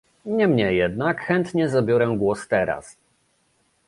Niemniej jednak chętnie zabiorę głos teraz